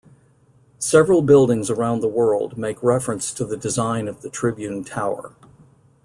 Several buildings around the world make reference to the design of the Tribune tower.